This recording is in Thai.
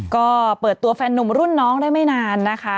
ก็เปิดตัวแฟนนุ่มรุ่นน้องได้ไม่นานนะคะ